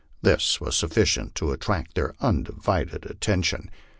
This was sufficient to attract their undivided attention.